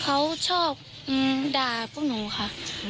เขาชอบด่าพวกหนูค่ะ